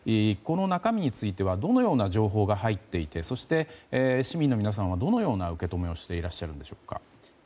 この中身についてはどのような情報が入っていてそして、市民の皆さんはどのような受け止めをしていらっしゃるんでしょうか。